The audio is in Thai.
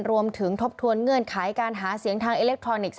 ทบทวนเงื่อนไขการหาเสียงทางอิเล็กทรอนิกส์